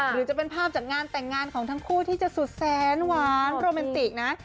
หรือจะเป็นภาพจากงานแต่งงานของทั้งคู่ที่จะสุดแสนหวานโรแมนติกนะ